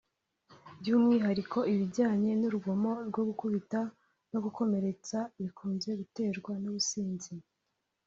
by’umwihariko ibijyanye n’urugomo rwo gukubita no gukomeretsa bikunze guterwa n’ubusinzi